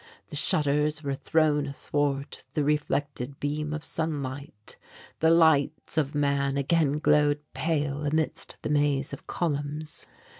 The shutters were thrown athwart the reflected beam of sunlight. The lights of man again glowed pale amidst the maze of columns.